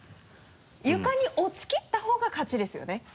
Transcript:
床に落ちきった方が勝ちですよね？